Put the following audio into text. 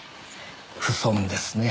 不遜ですね。